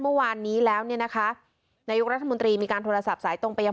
เมื่อวานนี้แล้วเนี่ยนะคะนายกรัฐมนตรีมีการโทรศัพท์สายตรงไปยัง